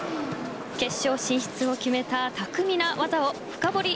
決勝進出を決めた巧みな技を深掘り